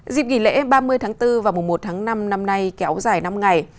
dịp nghỉ lễ ba mươi tháng bốn và mùa một tháng năm năm nay kéo dài năm ngày